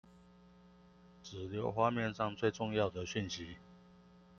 只留畫面上最重要的訊息